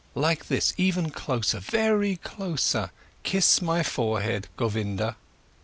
Like this, even closer! Very close! Kiss my forehead, Govinda!"